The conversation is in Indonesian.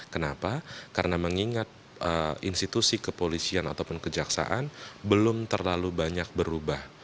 kenapa karena mengingat institusi kepolisian ataupun kejaksaan belum terlalu banyak berubah